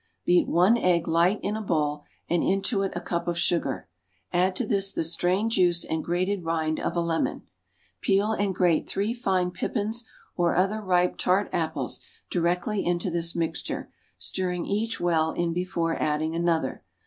Beat one egg light in a bowl, and into it a cup of sugar. Add to this the strained juice and grated rind of a lemon. Peel and grate three fine pippins or other ripe, tart apples directly into this mixture, stirring each well in before adding another.